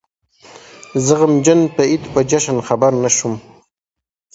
زه غمجن په عيد په جشن خبر نه شوم